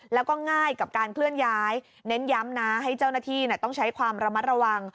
แล้วก็ง่ายกับการเคลื่อนย้ายเน้นย้ำนะให้เจ้าหน้าที่ต้องใช้ความระมัดระวัง